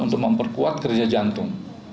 untuk memperkuat kerja jantung